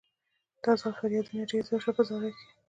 دا ځل فریادونه ډېر زیات شول په زارۍ کې.